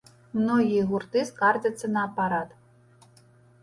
Многія гурты скардзяцца на апарат.